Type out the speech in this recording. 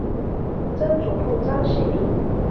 曾祖父章希明。